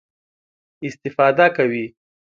استفاده کوي.